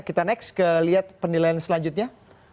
kita next ke lihat penilaian selanjutnya